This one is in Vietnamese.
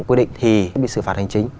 quy định thì sẽ bị xử phạt hành chính